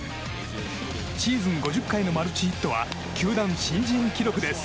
シーズン５０回目マルチヒットは球団新人記録です。